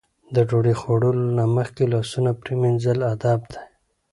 د ډوډۍ خوړلو نه مخکې لاسونه پرېمنځل ادب دی.